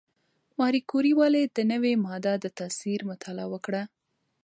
ماري کوري ولې د نوې ماده د تاثیر مطالعه وکړه؟